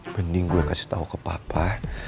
mending gue kasih tau ke papa